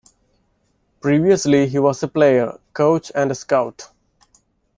Previously, he was a player, coach, and scout.